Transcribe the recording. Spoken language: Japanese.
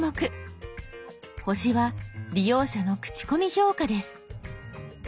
「星」は利用者の口コミ評価です。